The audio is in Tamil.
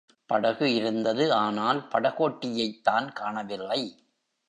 படகு இருந்தது ஆனால், படகோட்டியைத் தான் காணவில்லை.